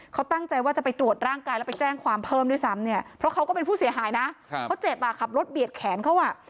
เขาตั้งใจว่าจะไปตรวจร่างกายแล้วไปแจ้งความเพิ่มด้วยซ้ำเนี่ยเพราะเขาก็เป็นผู้เสียหายนะเขาเจ็บอ่ะขับรถเบียดแขนเขาอ่ะ